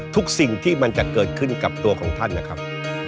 สิ่งที่มันจะเกิดขึ้นกับตัวของท่านนะครับ